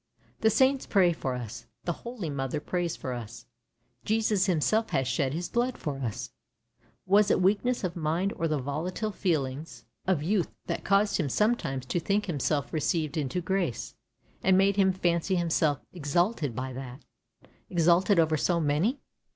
The saints pray for us, the holy mother prays for us, Jesus Himself has shed his blood for us. Was it weakness of mind or the volatile feelings PSYCHE 113 of youth that caused him sometimes to think himself received into grace, and made him fancy himself exalted by that — exalted over so many?